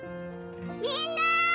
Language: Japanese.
みんな！